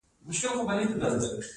د تخار په بهارک کې د قیمتي ډبرو نښې دي.